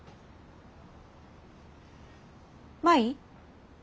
舞？